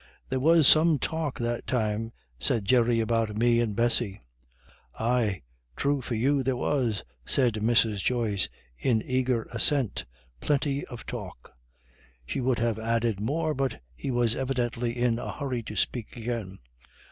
"There was some talk that time," said Jerry, "about me and Bessy." "Ay, true for you, there was," said Mrs. Joyce, in eager assent, "plinty of talk." She would have added more, but he was evidently in a hurry to speak again.